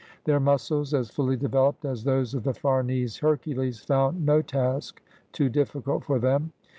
Their muscles, as fully developed as those of the Farnese Hercules, found no task too difficult for them.